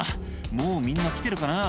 「もうみんな来てるかな